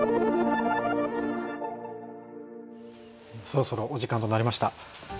そろそろお時間となりました。